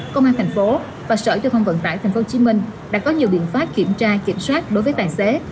công an thành phố và sở giao thông vận tải tp hcm đã có nhiều biện pháp kiểm tra kiểm soát đối với tài xế